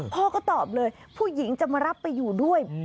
พ่อก็ตอบเลยผู้หญิงจะมารับไปอยู่ด้วย